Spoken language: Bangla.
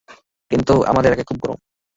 কিন্তু, আমাদের এলাকায় খুব গরম।